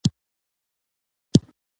د نجلۍ سترګو کې دمه کوي